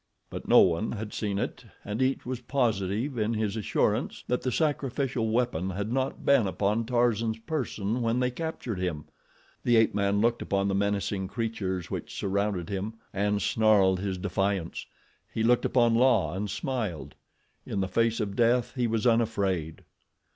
But no one had seen it and each was positive in his assurance that the sacrificial weapon had not been upon Tarzan's person when they captured him. The ape man looked upon the menacing creatures which surrounded him and snarled his defiance. He looked upon La and smiled. In the face of death he was unafraid.